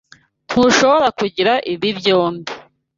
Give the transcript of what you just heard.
Ntushobora kugira ibi byombi.